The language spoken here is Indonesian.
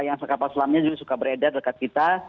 yang kapal selamnya juga suka beredar dekat kita